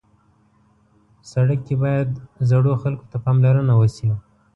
سړک کې باید زړو خلکو ته پاملرنه وشي.